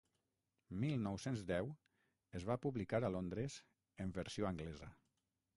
Mil nou-cents deu es va publicar a Londres en versió anglesa.